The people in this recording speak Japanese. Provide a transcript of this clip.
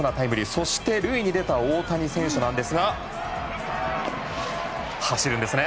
そして塁に出た大谷選手ですが走るんですね。